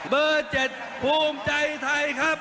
เบอร์๗ภูมิใจไทยครับ